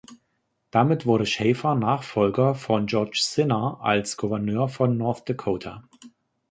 Damit wurde Schafer Nachfolger von George Sinner als Gouverneur von North Dakota.